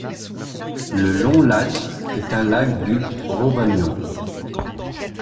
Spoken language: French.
Le Long Lac est un lac du Rhovanion.